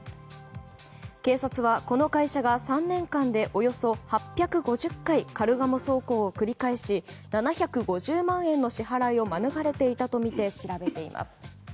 警察は、この会社が３年間でおよそ８５０回カルガモ走行を繰り返し７５０万円の支払いを免れていたとみて調べています。